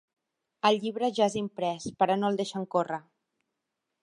El llibre ja és imprès, però no el deixen córrer.